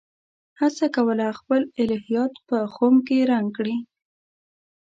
هڅه کوله خپل الهیات په خُم کې رنګ کړي.